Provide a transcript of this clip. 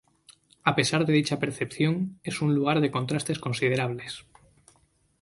A pesar de dicha percepción es un lugar de contrastes considerables.